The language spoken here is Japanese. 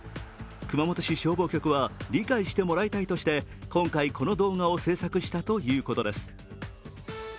熊本市消防局は理解してもらいたいとして、今回、この動画を制作したということです。